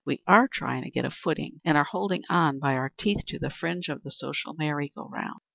We are trying to get a footing and are holding on by our teeth to the fringe of the social merry go round.